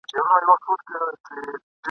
د شیطان پر پلونو پل ایښی انسان دی !.